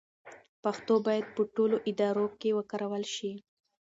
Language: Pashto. پښتو باید په ټولو ادارو کې وکارول شي.